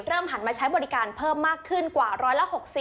หันมาใช้บริการเพิ่มมากขึ้นกว่าร้อยละ๖๐